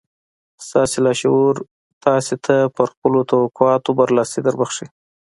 ستاسې لاشعور تاسې ته پر خپلو توقعاتو برلاسي دربښي.